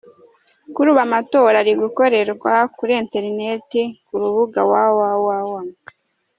Kuri ubu amatora ari gukorerwa kuri interineti ku rubuga www.